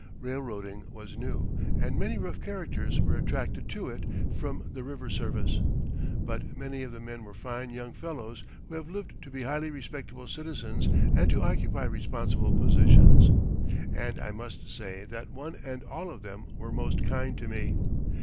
Railroading was new, and many rough characters were attracted to it from the river service. But many of the men were fine young fellows who have lived to be highly respectable citizens and to occupy responsible positions. And I must say that one and all of them were most kind to me.